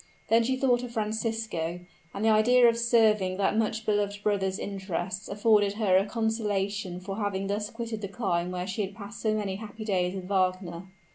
Then she thought of Francisco; and the idea of serving that much beloved brother's interests afforded her a consolation for having thus quitted the clime where she had passed so many happy days with Wagner.